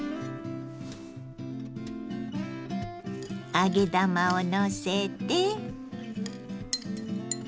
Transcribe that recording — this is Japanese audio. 揚げ玉をのせて。